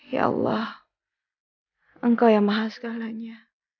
ya allah engkau yang maha segalanya